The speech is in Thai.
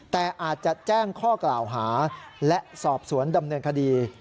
แต่อาจจะแจ้งข้อกล่าวหาและสอบสวนดำเนินคดี